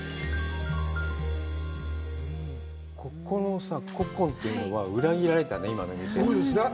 ここの古今というのは、裏切られたね、今の店。